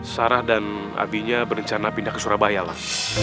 sarah dan adinya berencana pindah ke surabaya lah